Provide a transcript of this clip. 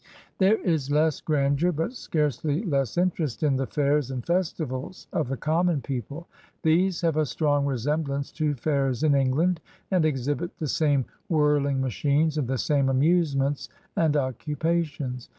There is less grandeur, but scarcely less interest, in the fairs and festivals of the common people. These have a strong resemblance to fairs in England, and exhibit the same whirling machines and the same amusements and occupations.